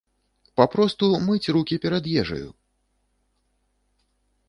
Папросту, мыць рукі перад ежаю.